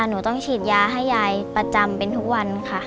หนูต้องฉีดยาให้ยายประจำเป็นทุกวันค่ะ